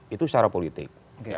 itu secara politik